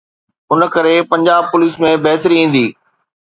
ان ڪري پنجاب پوليس ۾ بهتري ايندي.